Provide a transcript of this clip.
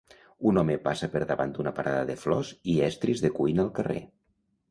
Un home passa per davant d'una parada de flors i estris de cuina al carrer.